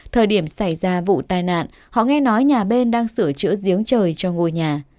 thời điểm xảy ra vụ tai nạn họ nghe nói nhà bên đang sửa chữa giếng trời cho ngôi nhà